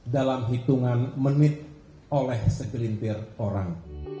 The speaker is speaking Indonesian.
dalam hitungan menit oleh segelintir orang